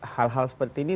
hal hal seperti ini